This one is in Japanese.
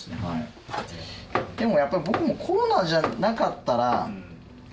でもやっぱり僕もコロナじゃなかったら。